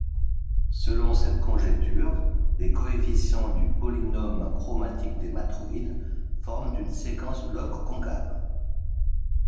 Selon cette conjecture, les coefficients du polynôme chromatique des matroïdes forment une séquence log-concave.